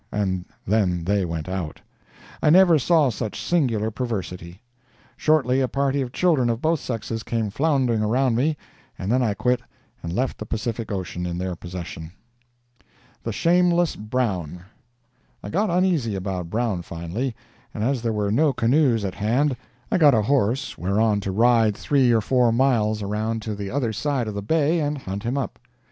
And then they went out. I never saw such singular perversity. Shortly a party of children of both sexes came floundering around me, and then I quit and left the Pacific ocean in their possession. THE SHAMELESS BROWN I got uneasy about Brown finally, and as there were no canoes at hand I got a horse whereon to ride three or four miles around to the other side of the bay and hunt him up.